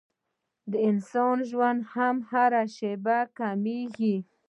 د انسان ژوند هم هره شېبه کمېږي.